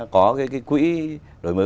có cái quỹ đổi mới